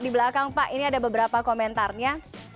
di belakang pak ini ada beberapa komentarnya